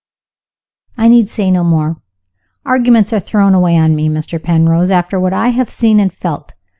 I need say no more. Arguments are thrown away on me, Mr. Penrose, after what I have seen and felt.